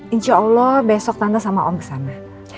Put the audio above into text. insya allah besok tante sama om kesana